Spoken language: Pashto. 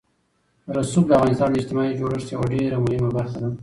رسوب د افغانستان د اجتماعي جوړښت یوه ډېره مهمه برخه ده.